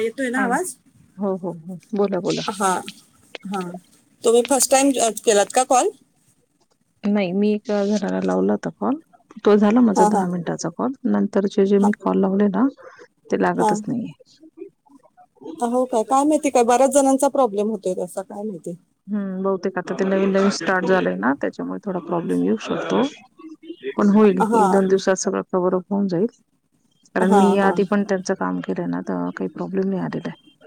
येतोय ना हा आवाज हो हो हो बोला बोला हा हा तुम्ही फर्स्ट टाइम केलात का कॉल चारजराला लावला होता फोन तो झाला माझा हा हा दहा मिनिटाचा कॉल नंतरचे जे हा मी कॉल लावले ना ह ते हा लागतच नाहीये हो काय काय माहिती काय बऱ्याच जणांचा प्रॉब्लेम होतेय कसा काय म हम् बहुतेक आता ते नवीन नवीन स्टार्ट झालेय ना त्याच्यामुळे थोडा प्रॉब्लेम येऊ शकतो. पण होईल एक हा दोन दिवसात सगळ कवर बरोबर होऊन जाईल कारण हा मी हा आधी पण त्यांचा काम केलंय ना तर काही प्रॉब्लेम नाही आलेलं आहे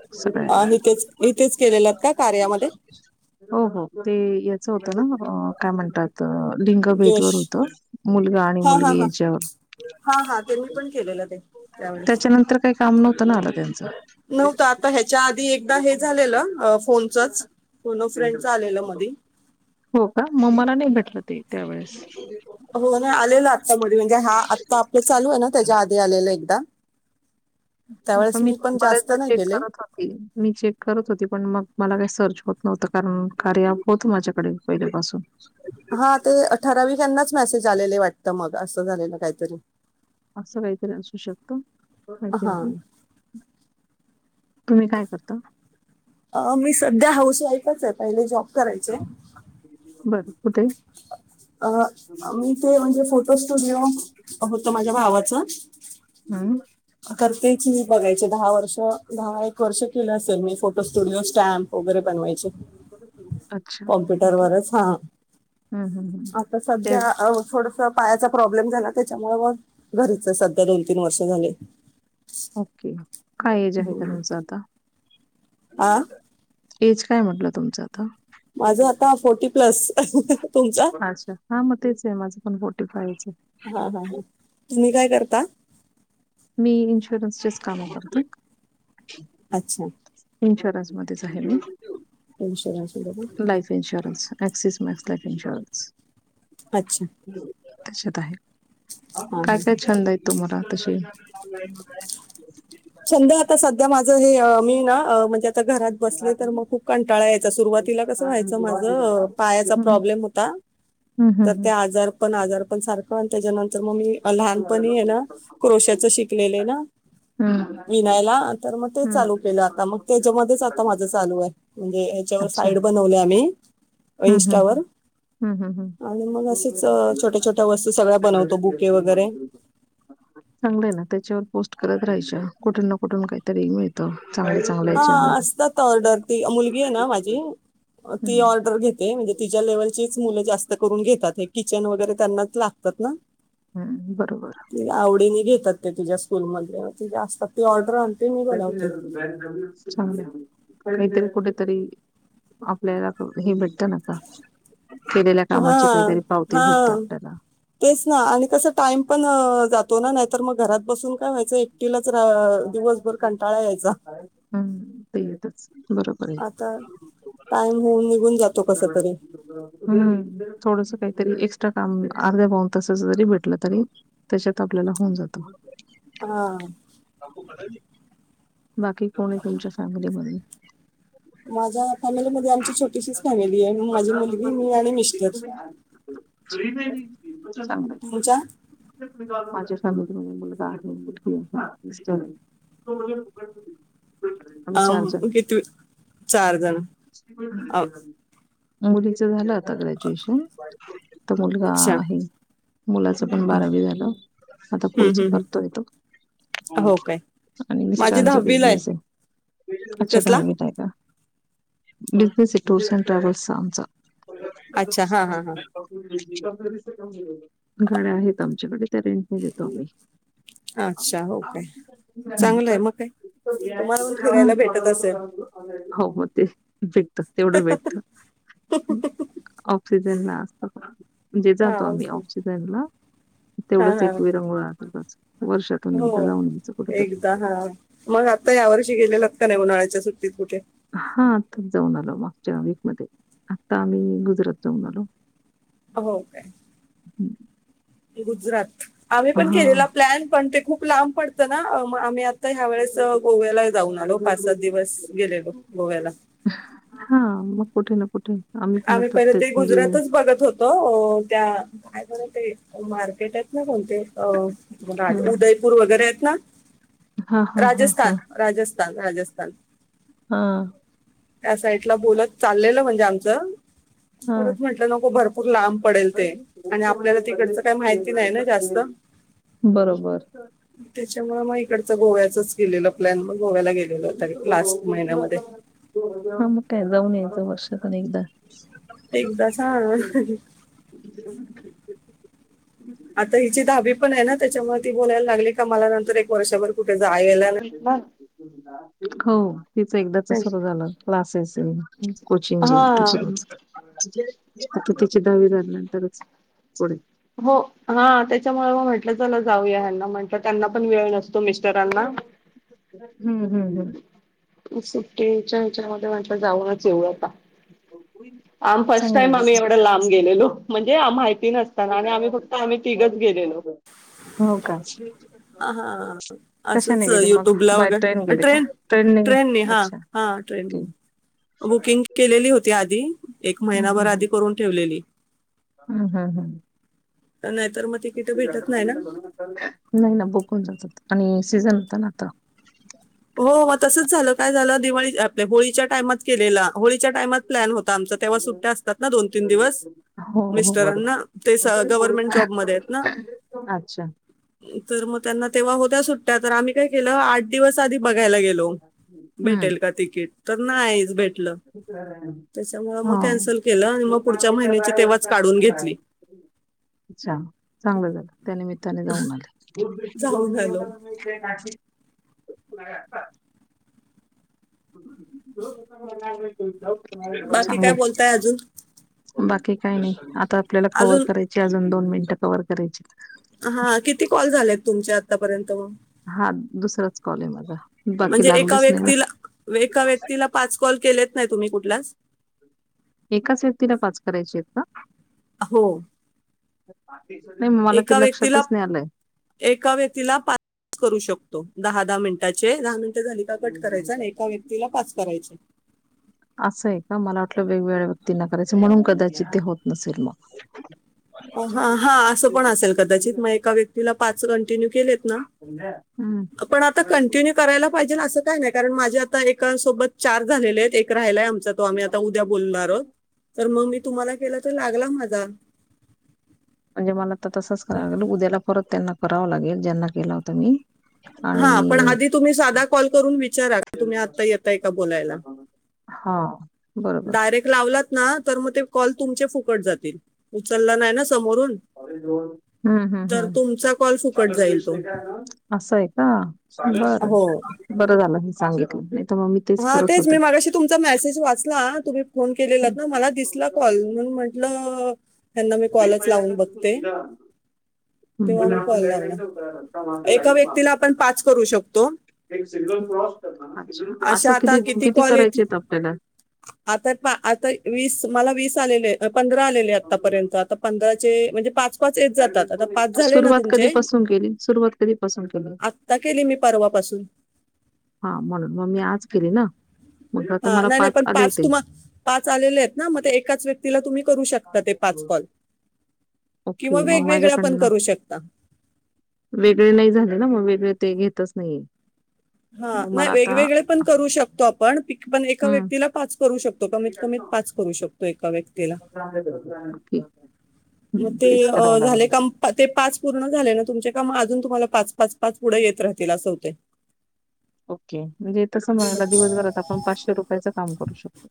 अ सगळ्यांना इथेच इथेच केलेलंत का कार्यामध्ये हो हो ते याच होतं ना काय म्हणतात लिंगभेद जोश वर होत मुलगा आणि हा हा मुलगी हा याच्यावर हा हा ते मी पण केलेलं ते त्यावेळेस त्याच्यानंतर काही काम नव्हतं ना आला त्यांचं नव्हतं आता ह्याच्या आधी एकदा हे झालेलं फोनचंच फोन फ्रेंडचं आलेलं मध्ये हो का मला नही भेटलं ते त्यावेेळेस हो नाही आलेलं आत्तामध्ये म्हणजे हा आत्ता आपलं चालू आहे ना त्याच्या आधी आलेला एकदा हो का त्यावेळेस मी पण जास्त बऱ्याचदा नाही चेक केले करत होती मी चेक करत होती पण मग मला काय सर्च होत नव्हत. नव्हतं कारण कार्या होत माझ्याकडे पहिलेपासून हा ते अठरानिकांनाच मेसेज आलेले वाटत मग असं झालेलं काहीतरी असं काहीतरी असू शकत हो हांज हा नाही तुम्ही काय करता अ मी सध्या हाऊस वाईफच आहे पहिले जॉब करायचे होते अ मी ते म्हणजे फोटो स्टुडिओ होत माझ्या भावाचं हम्म तेच मी बघायचे दहा वर्ष द एक वर्ष केलं असेल मी फो फ स्टुडिओ स्टॅम्प वगैरे बनवायचे अच्छा ओके कॉम्प्युटरवरच हा हम्म हम्म हम्म आता ते सध्या अ थोडस पायाचा प्रॉब्लेम झाला त्याच्यामुळे म घरीच सध्या दोन तीन वर्ष झाले. ओके काय जे आहे का हम्म. तुमचा आता हा चांगलीस एज काय म्हटलं तुमचं आता? माझं आता फोर्टी प्लस ह अच्छा हा मग तेच आहे माझं पण फोर्टी फायच हा हा हा आहे तुम्ही काय करता मी इन्शुरन्सचेच कामं करतेो अच्छा इन्शुरन्स च आहे म विष life insurance Axis Max life insurance अच्छा तच्यात आहे हा हा हा कायट छंद आहेय तु मरा त छंद आता सध्या माझं मी ना म्हणे आता घरात बसले तर मग खूप कंटाळा यायचा हम्म सुरुवातीला कसं व्हायचं माझ पायाचा प्रॉब्लेम होता हम्म तर हम्म त्या आजार पण आजार सारखंते जन तर मम्मी लहानपणी आहे ना क्रोशाच शिकलेलं ना हम्म मग ते ल के हम्म. आता मग त्याच्या आता मा चालू आहे म्हणजेच्या साईट हम्म ह् ह् आणि मग असेच अ, छोट्या छोट्या वस्तू सगळ्या बनवतो बुके वगैरे चांगलं ना त्याच्यावर पो करत राहाच्या कुठून ना कुठून काहीतरी मिळतं चांगलं चांगलं हा याच्यावर असतात ऑर्डर ती मुलगी आहे ना माझी ती हम्म ऑर्डर घेत म्हणजे तिच्या लेवलचीच [unintelligible] ते करून घेतात किचन वगैरे त्यांनाच पतना हम्म बरोबर घेतात ते त्या स्कूल म असतात ती ऑर्डर मी क ज बनवते ग [inaudible] चांगत कुठेतरी आपल्याला हे भेट हा काहीतरी पावती हा भेटते आपल्याला तेच ना आणि कस टाइम पण जात ना नाही तर मग घरात बसून काय व्हायचं एकटिलच दिवसभर कंटाळा यायचा हम्म ते येतच बरोबर आहे. आता टाईम होऊन निघून जातो कसा तरी थोड काहीतरी एक्स्ट्रा काम अर्ध्या बान तसा जरी भेटलं तरी त्याच्यात आपल्याला होऊन जात हा बाकी कोण आहे तुमच्या फॅमिलीमध्ये माझा, फॅमिलीमध्ये आमची छोटीशीच फॅमिली आहे माझी मुलगी मी आणि मिस्टर चांगलं तुमच्या माझ्या मुलगा आहे मिस्टर येत अ किती चार जण आ, [unintelligible] मुलीच झालं आता ग्रॅज्युएशन त मुलगा अच्छा आहे मुलाच पण हम्म, बारावी झालं आता पुढच हम्म, हम्म. करतोय तो हो काय आणि माझी मिस्टरांचा दहावीला आहे बिजनेस आहे अच्छा कसला दहावीत का बिझनेस आहे टूर्स अँड ट्रॅव्हल्सचा आमचा [unintelligible] अच्छा हा हा हा कमजोरी कमजोर हो गाड्या आहेत आमच्याकडे त्या रेंटने देतो अच्छा हो काय चांगलं आहे मग काय तुम्हाला पण फिरायला भेटत असेल आम्ही ते ज तेवढ भेटत ऑक्सिजनला असतण जे हा जातो आम्ही ओके ऑक्सिजनला हा तेवढंच हा एक विरंगोळ राहतो वर्षातून एकदा हो जाऊन घ्यायचं कुठेतरी एकदा हा मग आता यावर्षी गेलेलात नाही उन्हा्याच्या सुट्टीत कठे हा आताच जाऊन आलो मागच्या वीकमध्येध्ये. आता आम्ही गुजरात जाऊन आलो. हो काय? हम्म. गुजरात. आम्ही पण केलेला प्लॅन पण ते खूप लांब पडत ना मग आम्ही आता ह्या वेळेस गोव्याला जाऊन आलो. पाच सात दिवस गेलेलो गोव्याला. हा [unintelligible] पण आम्ही आता पहिले ते म्हणजे गुजरातच बघत होतो त्या काय बरं ते मार्केट आहेत ना कोणते? अ उदयपूर वगैरे. ना. हा हा हा हा राजस्थान राजस स्थान, राजस्थान. हा. त्या साईड ला बोलत चाललेलं म्हणजे आमचं. हा परत म्हटलं नको भर पूर लांब पडेल ते आणि आपल्याला तिकडचं काय माहिती नाही ना जास्त बरोबर. त्याच्यामुळे मग इकडचं गोव्याचच के लेलं. प्लॅन मग गोव्याला गेलेलो, तरी लास्ट महिन्यामध्ये. हा मग काय जाऊन यायचं वर्षातूण एकदा. एकदाचा. आता हिची दहावी पण हाय ना त्याच्यामुळे, ती बोलायला लागली का मला नंतर एक वर्षभर कुठे जायला नाही मग हो तिच एकदाच सुरू झालं क्लासेस ये, कोचिंग ये हे हा सगळं. आता तिची दहावी झाल्यानंतरच. पुढे. हो हा त्याच्यामुळे म म्हंटलं जाऊया हेना म्हणल त्यांना पण वेळ नसतो मिस्टरांना. हं, हं, हं. सुट्टीच्या हेच्या मध्ये म्हटलं जाऊनच येऊ आता. आम फर्स्ट टाईम चांगलंच. आम्ही एवढा लांब गेलेलो. म्हणजे माहिती. काल आणि फक्त आम्हीं तिघच गेलेलो, हो का? हा हा, कशाने असच गेले मग? युट्युब ला बाय वेग आणि गेले का? ट्रेन गे ट्रेनने हा, अच्छा हा ओके. ट्रेनने बुकिंग केलेली होती आधी. आधी. एक हं, महिनाभर हं, आधी हं. करून ठेवलेली. हं, हं, हं. तर नाहीतर मग. तिकीट भेटत ना नाही ना बकून जातात आणि. सिजन होता ना आता. हो हो तसच झालं काय झालं दिवाळी आपल्या होळीच्या टाइमात केलेला. होळीच्या टाइमात प्लन होता आमचा तेंव्हा सुट्ट्या असतात ना दोन तीन दिवस हो, हो बरोबर. मिस्टरांना ते गव्हर्मेंट जॉबमध्ये अच्छा. केलं आठ दिवस आधी. बघायला गेलो भेटेल का तिकीट. तर नाही भेट. हा कॅन्सल केलं आणि मग पुढच्या महिन्याची तेव्हाच काढून घेतली आच्छा चांगलं झालं त्यानिमित्ताने जाऊन आलात. जाऊन आलो जी हो बाकी काय बोलताय अजून बाकी काही नाही आपल्याला कवर अजून करायची अजून दोन मिनट कवर करायची हा किती कॉल झालेत तुमचे आतापर्यंत हा दुसराच कॉल आहे माझा. बाकी म्हणजे एका लागलेच नाही ना व्यक्तीला एका व्यक्तीला पाच कॉल केले नाही तुम्ही कुठला एकाच व्यक्तीला पाच करायचे आहेत का हो नाही मला एका ते व्यक्तीला लक्षातच नाही आलंय एका व्यक्तीला पा करू शकतो दहा दहा मिनिटाचे दहा मिन झाली का कट करायच आणि एका व्यक्तीला पाच करायचे असं आहे का मला वाटलं वेगवेगळ्या व्यक्तींना करायच म्हणून कदाचित ते होत नसेल मग हा असं पण असेल कदाचित मग एका व्यक्तीला पाच कंटिन्यू केलेत ना हम्म पण कंन्टीनुए करायला पाहिजे ना का नाही कारण माझे आता एका सोबत चार झालेले आहेत एक राहिलाय आम् आ उद्या बोलणार आो तर मग तुम्हाला केलं तर लागला माझा म्हणजे मला आता तसच कराय लागल उद्याला परत त्यांना करावं लागेल ज्यांना केला होतं मी हा पण आणि आधी तुम्ही साधा कॉल करून विचारा तुम्ही आता यताय का बोलायला हा बरोबर डायरेक्ट लावलात तर मग ते कॉल तुम फुक जात उच नाही समोरून ् तर तुमचा कॉल फुकट जाईल तो असं आहे ह हो बरं बरं झालं हे सांग हां हा तेच मी मागाशी तुमचा मेसेज वाचला तुम्ही फोन केलेला हं, हं. ना मला दिसला कॉल म्हणून म्हंटलं सधा तेव्हा मग कॉल लावला हडल एका राट व्यक्तीला आपण पाच करू शकतो एक सिग्नल क्रॉस कर अशा आता किती कॉल ये आपल्याला? आता आता वीस मला वीस आलेले पंधरा आलेले आतापर्यंत. आता पंधरा ते म्हणजे पाच पाच येत जातात. आता पाच झाले ना सुरुवात तुमचे? कधीपासून केली? सुरुवात कधीपासून केली? आत्ता केले मी परवापासून. हा म्हणून. मग मी आज केली ना. मग आता हा. मला नाही नाही.. पण आले पाच होते. तुम्हा पाच आलेलेत ना. मग ते एकाच व्यक्तीला तुम्ही करू शकता ते पाच कॉल ओके. किंवा म वेगवेगळ्या पण माझ्याकडन. करू शकता वेगळे नाही झाले ना. मग वेगळे ते घेतच नाही. हा. नाही.. वेगवेगळे पण करू शकतो. आपण पण आपण एका हम्म. व्यक्तीला पाच करू शकतो. कमीत कमीत पाच करू शकतो. एका व्यक्तीला. ओके. म हम्म ते तेच करावं झाले लागेल. का.. ते पाच पूर्ण झाले ना तुमचे? का म अजून तुम्हाला पाच पाच पाच पुढ येत राहतील अस होतय. ओके. म्हणजे तस म्हणायला. दिवसभरात आपण पाचशे रुपयाच काम करू शकतो.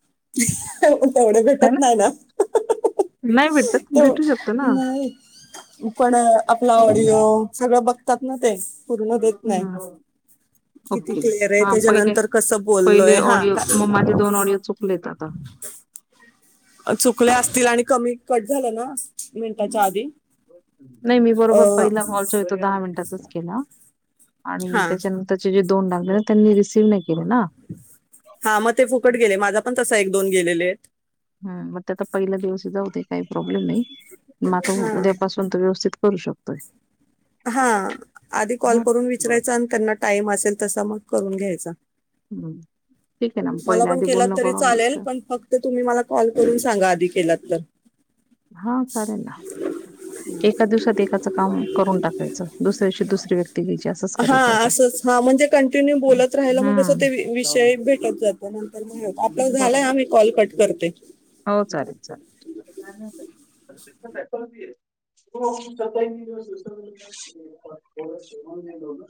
तेवढे हे भेटत ना. नाही नाही भेटत तेव- शकतो ना. नाही. पण आपला ऑडिओ सगळं बघतात ना ते. पूर्ण देत नाही. हं. किती ओके.. क्लिअर आहे हा पहिले त्याच्यानंतर कसं पहिले बोललोय हा ऑडिओ. का- म माझे दोन ऑडिओ चुकले. काका. चुकल्या असतील आणि कमी कट झालेल नाही. मी बरोबर अं, पहिला कॉल जो तो पहिल्या दहा मिनिटाचाच केला. आणि हा त्याच्यानंतरचे जे तोन लावल तरी रिसीव्ह नाही. केले ना. हा म ते फुकट गेले. माझा पण तसा एक दोन गेलेले येत. हा. म त्याका पहिला दिवसच जाऊ दे. काही प्रॉब्लेम नाही. म आता हा उद्यापासून तर व्यवस्थित करू शकतोय. हा. आधी कॉल हां. करून विचरायच. आणि त्यांना टाइम असेल तस म करून घ्यायचा. हम्म. मला पण केलात तरी चालेल. घ्यायचं. पण फक्त तुम्ही मला कॉल करून सांगा आधी केलात तर, हा चालेल ना. एका दिवसात एकाचं काम करून टाकायचं. दुस ते शुद्ध [unintelligible] हा. असंच हा म्हणजे कंटिन्यू बोलत राहिलं मग असं ते हम्म. विषय भेटत जात. आपलं झालंय ह, बरोबर मी कॉल कट करते. व [inaudible]